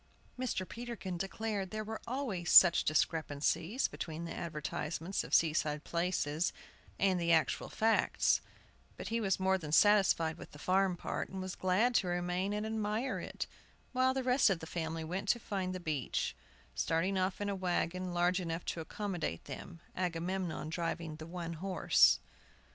Mr. Peterkin declared there were always such discrepancies between the advertisements of seaside places and the actual facts; but he was more than satisfied with the farm part, and was glad to remain and admire it, while the rest of the family went to find the beach, starting off in a wagon large enough to accommodate them, Agamemnon driving the one horse.